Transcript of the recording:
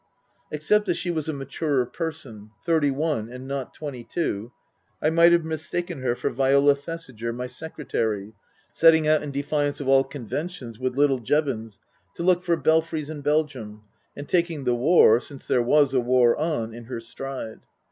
Except that she was a maturer person thirty one and not twenty two I might have mistaken her for Viola Thesiger, my secretary, setting out, in defiance of all conventions, with little Jevons, to look for Belfries in Belgium, and taking the war, since there was a war on, in her stride.